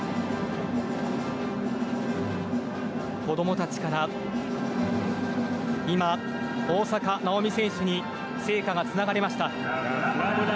子供たちから今、大坂なおみ選手に聖火がつながれました。